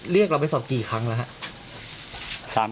เราไปสอบกี่ครั้งแล้วครับ